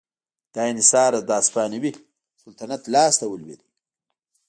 دا انحصار د هسپانوي سلطنت لاس ته ولوېد.